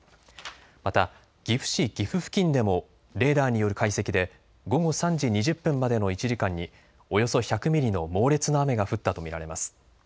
また岐阜市岐阜付近でもレーダーによる解析で午後３時２０分までの１時間におよそ１００ミリの猛烈な雨が降ったと見られます。